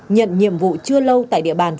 nhận nhiệm vụ chưa lâu tại địa bàn